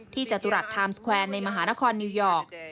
จตุรัสไทม์สแควร์ในมหานครนิวยอร์ก